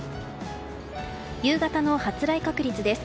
夕方の発雷確率です。